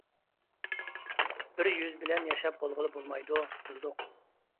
بىر يۈز بىلەن ياشاپ بولغىلى بولمايدۇ، بىلدۇق.